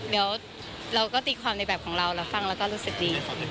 เดี๋ยวเราก็ตีความในแบบของเราแล้วฟังแล้วก็รู้สึกดี